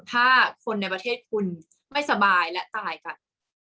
ถ้าคนในประเทศคุณไม่สบายและตายกัน